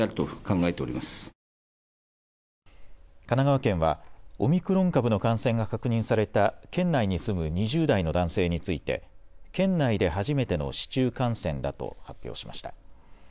神奈川県はオミクロン株の感染が確認された県内に住む２０代の男性について県内で初めての市中感染だと発表しました。